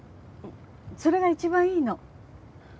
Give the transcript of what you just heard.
それが一番いいの。